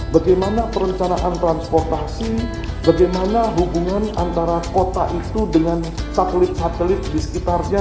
bagaimana perencanaan transportasi bagaimana hubungan antara kota itu dengan satelit satelit di sekitarnya